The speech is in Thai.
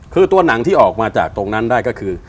คือตัวหนังที่ออกมาจากตรงนั้นได้ก็คือ